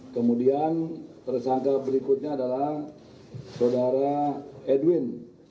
kemudian tersangka berikutnya adalah saudara edwin